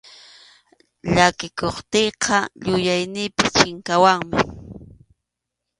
Llakikuptiyqa yuyayniypas chinkawanmi.